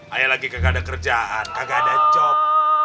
ayah lagi gak ada kerjaan gak ada job